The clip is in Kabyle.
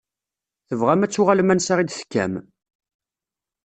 Tebɣam ad tuɣalem ansa i d-tekkam?